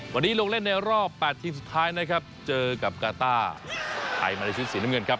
วันนี้ลงเล่นในรอบ๘ทีมสุดท้ายนะครับเจอกับกาต้าไทยมาในชุดสีน้ำเงินครับ